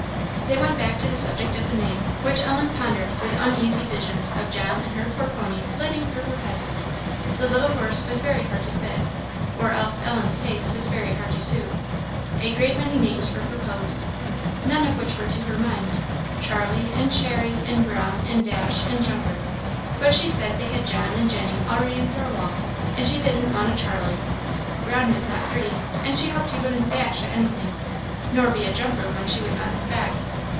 They went back to the subject of the name, which Ellen pondered with uneasy visions of John and her poor pony flitting through her head. The little horse was very hard to fit, or else Ellen's taste was very hard to suit; a great many names were proposed, none of which were to her mind, Charley, and Cherry, and Brown, and Dash, and Jumper but she said they had "John" and "Jenny" already in Thirlwall, and she didn't want a "Charley." "Brown" was not pretty, and she hoped he wouldn't "dash" at anything, nor be a "jumper" when she was on his back.